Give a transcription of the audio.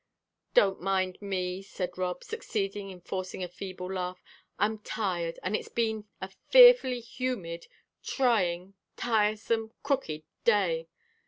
"Don't mind me," said Rob, succeeding in forcing a feeble laugh. "I'm tired, and it's been a fearfully humid, trying, tiresome, crooked day.